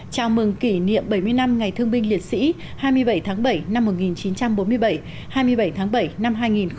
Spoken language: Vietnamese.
chào mừng kỷ niệm bảy mươi năm ngày thương binh liệt sĩ hai mươi bảy tháng bảy năm một nghìn chín trăm bốn mươi bảy hai mươi bảy tháng bảy năm hai nghìn một mươi chín